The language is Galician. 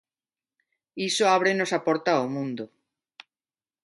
Iso ábrenos a porta ao mundo.